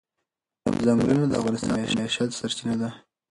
ځنګلونه د افغانانو د معیشت سرچینه ده.